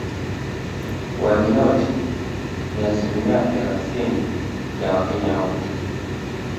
Waniloti ni asilimia thellathini ya Wakenya wote